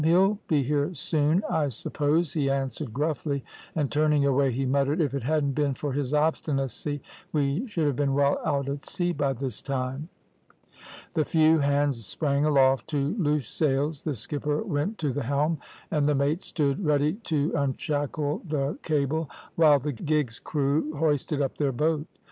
`He'll be here soon, I suppose,' he answered gruffly, and turning away, he muttered, `If it hadn't been for his obstinacy we should have been well out at sea by this time.' "The few hands sprang aloft to loose sails, the skipper went to the helm, and the mates stood ready to unshackle the cable, while the gig's crew hoisted up their boat.